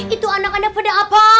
itu anak anak pada apa